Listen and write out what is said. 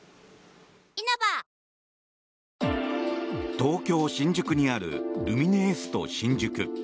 東京・新宿にあるルミネエスト新宿。